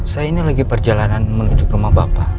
saya ini lagi perjalanan menuju rumah bapak